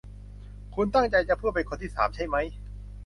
คุณตั้งใจจะพูดเป็นคนที่สามใช่มั้ย